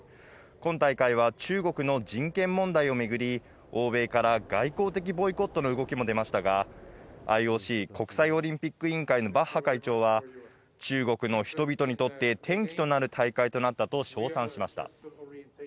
今大会は中国の人権問題をめぐり、欧米から外交的ボイコットの動きも出ましたが、ＩＯＣ＝国際オリンピック委員会のバッハ会長は中国の人々にとって転機となる大会となったと称賛しました。